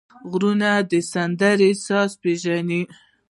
غوږونه د سندرو ساز پېژني